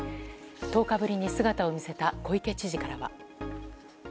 １０日ぶりに姿を見せた小池知事からは。